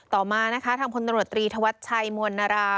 ต่อมานะคะทางพลตำรวจตรีธวัชชัยมวลนารา